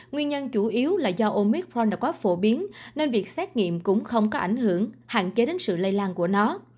nguyên nhân chủ yếu là do omicron đã quá phổ biến nên việc xét nghiệm cũng không có ảnh hưởng hạn chế đến sự lây lan của nó